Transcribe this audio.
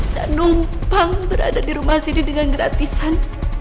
dan numpang berada di rumah sini dengan gratisan